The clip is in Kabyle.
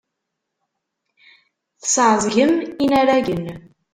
Tesɛeẓgem inaragen.